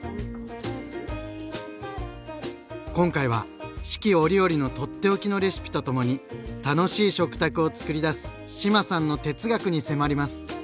今回は四季折々のとっておきのレシピとともに楽しい食卓をつくりだす志麻さんの哲学に迫ります！